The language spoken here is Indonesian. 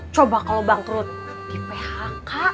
coba kalau bangkrut di phk